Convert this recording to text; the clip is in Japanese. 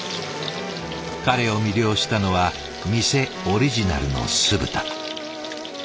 彼を魅了したのは店オリジナルの酢豚。